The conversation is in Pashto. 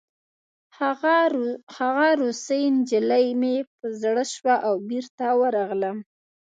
هغه روسۍ نجلۍ مې په زړه شوه او بېرته ورغلم